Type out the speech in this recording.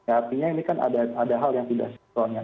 artinya ini kan ada hal yang tidak sempurna